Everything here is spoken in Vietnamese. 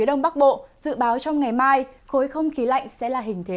ở đông bắc bộ dự báo trong ngày mai khối không khí lạnh sẽ là hình thế